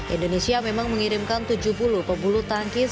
indonesia memang mengirimkan tujuh puluh pebulu tangkis